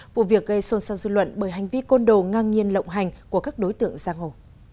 vụ việc gây xôn xao dư luận bởi hành vi côn đồ ngang nhiên lộng hành của các đối tượng giang hồ